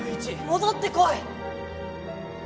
戻ってこい！